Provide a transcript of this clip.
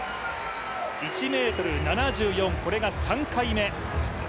１ｍ７４、これが３回目。